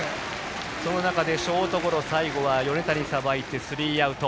その中でショートゴロを最後は米谷がさばいてスリーアウト。